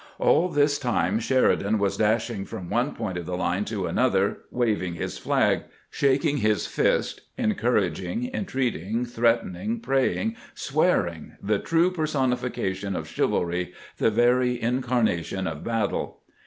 AU this time Sheridan was dashing from one point of the line to another, waving his flag, shaking his fist, encouraging, entreating, threatening, praying, swearing, the true personification of chivalry, the very incarnation of battle.